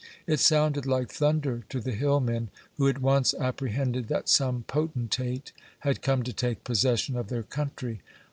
It sounded like thunder to the hillmen, who at once apprehended that some potentate had come to take possession of their country.